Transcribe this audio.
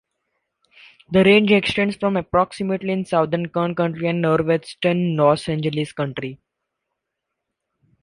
The range extends for approximately in southern Kern County and northwestern Los Angeles County.